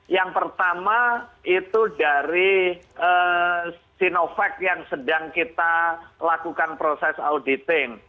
yang pertama itu dari sinovac yang sedang kita lakukan proses auditing